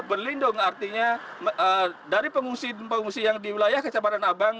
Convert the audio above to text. berlindung artinya dari pengungsi pengungsi yang di wilayah kecamatan abang